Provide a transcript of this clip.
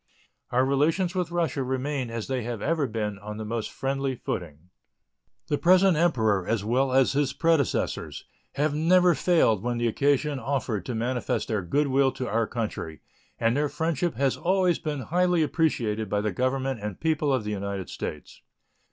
Our relations with Russia remain, as they have ever been, on the most friendly footing. The present Emperor, as well as his predecessors, have never failed when the occasion offered to manifest their good will to our country, and their friendship has always been highly appreciated by the Government and people of the United States.